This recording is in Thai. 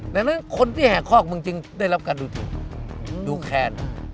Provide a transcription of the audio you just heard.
ดังนั้นคนที่แห่คอกมึงจึงได้รับการดูถูกดูแคน